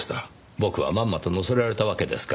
僕はまんまと乗せられたわけですか。